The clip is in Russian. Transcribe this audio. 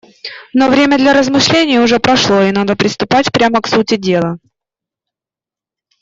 Но время для размышлений уже прошло, и надо приступать прямо к сути дела.